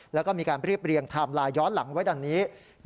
แล้วก็มีการเรียบเรียงไทม์ไลน์ย้อนหลังไว้ดังนี้